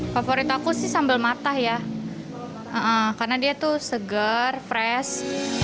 favorit aku sih sambal matah ya karena dia tuh segar fresh